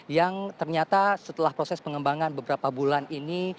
yang ternyata setelah proses pengembangan beberapa bulan ini